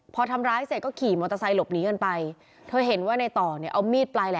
พอทำร้ายเสร็จก็ขี่มอเตอร์ไซค์หลบหนีกันไป